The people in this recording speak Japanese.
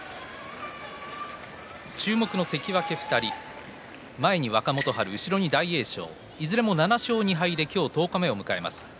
注目の関脇２人前に若元春、後ろに大栄翔いずれも７勝２敗で今日、十日目を迎えました。